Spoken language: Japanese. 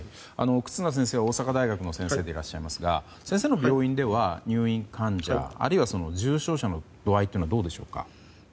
忽那先生は大阪大学の先生でいらっしゃいますが先生の病院では入院患者あるいは重症者の度合いはどうでしょうか？